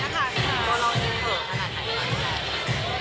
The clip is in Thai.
กำลังเผลอล้างมากเลยนะคะ